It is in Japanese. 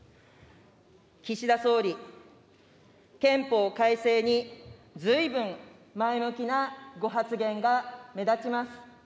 岸田総理、憲法改正にずいぶん前向きなご発言が目立ちます。